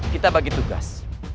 kita bagi tugas